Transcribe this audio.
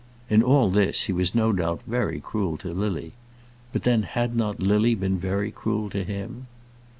In all this he was no doubt very cruel to Lily; but then had not Lily been very cruel to him?